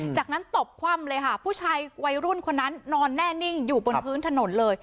จากนั้นตบคว่ำเลยค่ะผู้ชายวัยรุ่นคนนั้นนอนแน่นิ่งอยู่บนพื้นถนนเลย